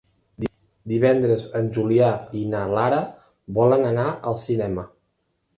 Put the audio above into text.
Divendres en Julià i na Lara volen anar al cinema.